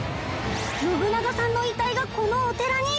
信長さんの遺体がこのお寺に！？